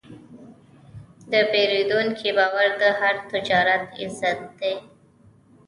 د پیرودونکي باور د هر تجارت عزت دی.